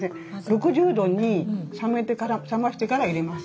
６０度に冷ましてから入れます。